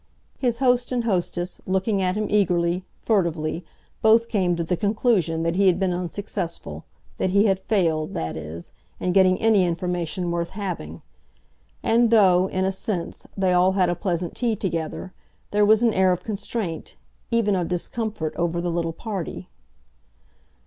His host and hostess, looking at him eagerly, furtively, both came to the conclusion that he had been unsuccessful—that he had failed, that is, in getting any information worth having. And though, in a sense, they all had a pleasant tea together, there was an air of constraint, even of discomfort, over the little party.